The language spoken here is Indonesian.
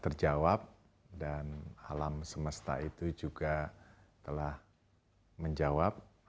terjawab dan alam semesta itu juga telah menjawab